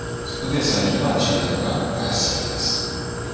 そこで最近は治療薬が開発されています。